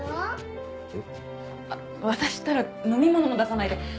あっ私ったら飲み物も出さないで。